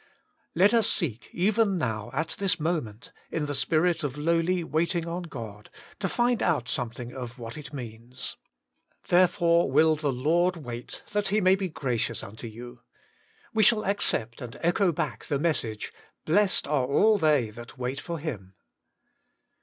Let us seek even now, at this moment, in the spirit of lowly waiting on God, to find out 7 98 WAITING ON GOBI Bomething of what it means. * Therefore will the Lord wait, that He may be gracious unto you.' "We shall accept and echo back the message: * Blessed are all they that wait for Him.'